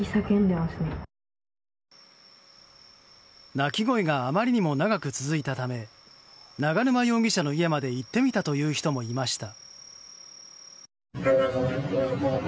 泣き声があまりにも長く続いたため永沼容疑者の家まで行ってみたという人もいました。